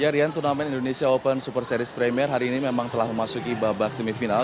ya rian turnamen indonesia open super series premier hari ini memang telah memasuki babak semifinal